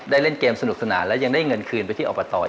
เล่นเกมสนุกสนานและยังได้เงินคืนไปที่อบตอีก